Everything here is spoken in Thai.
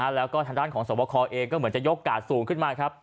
แล้วก็ทางด้านของสวบคอเองก็เหมือนจะยกกาดสูงขึ้นมาครับ